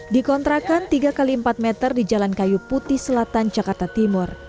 di kontrakan tiga x empat meter di jalan kayu putih selatan jakarta timur